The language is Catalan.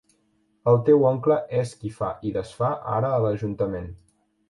El teu oncle és qui fa i desfà ara a l'Ajuntament.